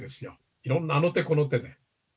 いろんな、あの手この手で。